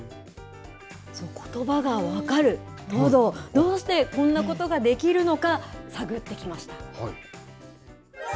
ことばが分かるトド、どうしてこんなことができるのか、探ってきました。